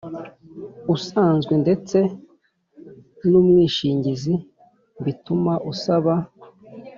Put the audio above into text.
usanzwe ndetse n’umwishingizi bituma usaba